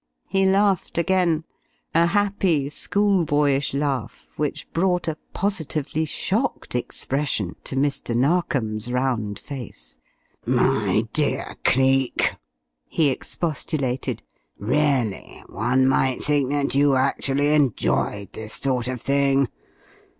He laughed again, a happy, schoolboyish laugh which brought a positively shocked expression to Mr. Narkom's round face. "My dear Cleek!" he expostulated. "Really, one might think that you actually enjoyed this sort of thing!